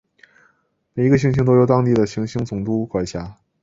每一个行星都由当地的行星总督管辖。